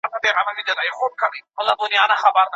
بې کوره خلګو ته د استوګني ښارګوټي جوړیدل.